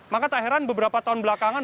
maka tak heran beberapa tahun belakangan